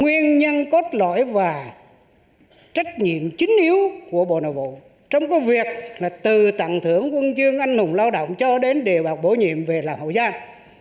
nguyên nhân cốt lỗi và trách nhiệm chính yếu của bộ nội bộ trong cái việc từ tặng thưởng quân chương anh hùng lao động cho đến đề bạc bổ nhiệm về là hậu giang